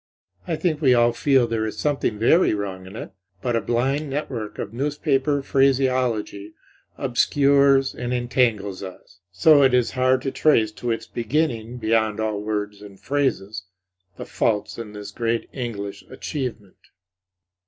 I think we all feel there is something very wrong in it, but a blinding network of newspaper phraseology obscures and entangles us; so that it is hard to trace to its beginning, beyond all words and phrases, the faults in this great English achievement.